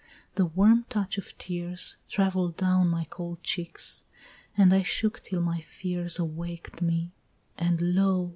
The warm touch of tears Travell'd down my cold cheeks, and I shook till my fears Awaked me, and lo!